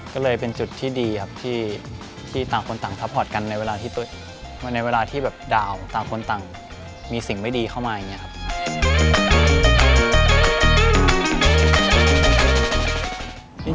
ก็เลยเป็นจุดที่ดีครับที่ต่างคนต่างพักพอร์ตกันในเวลาที่แบบดาวต่างคนต่างมีสิ่งไม่ดีเข้ามาอย่างนี้ครับ